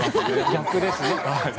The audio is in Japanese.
逆ですね。